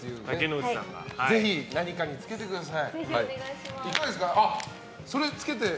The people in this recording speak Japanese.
ぜひ、何かにつけてください。